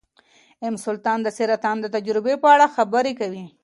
ام سلطان د سرطان د تجربې په اړه خبرې کوي.